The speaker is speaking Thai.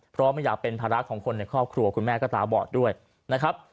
เพราะไม่อยากเป็นภาระของคนในครอบครัวคุณแม่ก็ตาบอดด้วยนะครับ